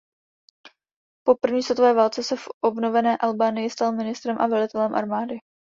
Po první světové válce se v obnovené Albánii stal ministrem a velitelem armády.